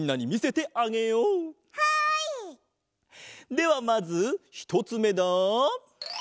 ではまずひとつめだ。